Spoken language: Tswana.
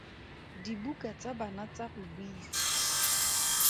Dibuka tsa bana tsa go buisa.